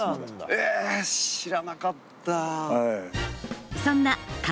えぇ知らなかった。